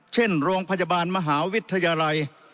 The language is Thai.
เช่นโรงพยาบาลมหาวิทยาลัย